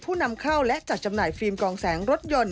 นำเข้าและจัดจำหน่ายฟิล์มกองแสงรถยนต์